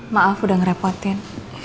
maaf udah ngerepotin